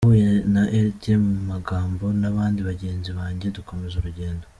Nahuye na Lt Magambo n’abandi bagenzi banjye dukomeza urugendo.